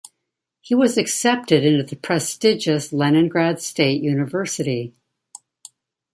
He was accepted into the prestigious Leningrad State University.